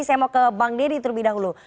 saya mau ke bang deddy terlebih dahulu